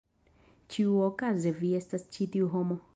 Ĉiuokaze vi estas ĉi tiu homo.